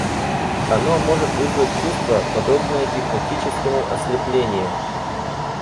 Оно может вызвать чувство, подобное гипнотическому ослеплению.